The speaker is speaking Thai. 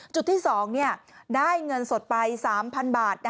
จุดที่๒ได้เงินสดไป๓๐๐๐บาท